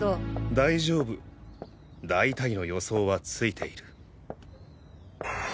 大丈夫大体の予想はついている。